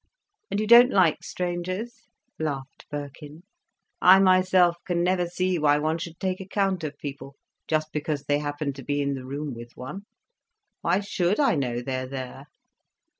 "And you don't like strangers?" laughed Birkin. "I myself can never see why one should take account of people, just because they happen to be in the room with one: why should I know they are there?"